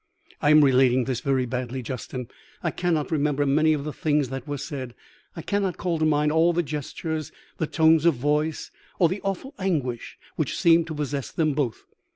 "I am relating this very badly, Justin. I cannot remember many of the things that were said; I cannot call to mind all the gestures, the tones of voice, or the awful anguish which seemed to possess them both.